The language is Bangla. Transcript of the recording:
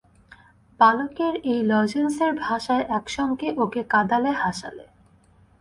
বালকের এই লজেঞ্জসের ভাষায় একসঙ্গে ওকে কাঁদালে হাসালে।